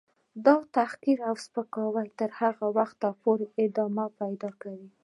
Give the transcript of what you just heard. . دا تحقیر او سپکاوی تر هغه وخته ادامه پیدا کوي.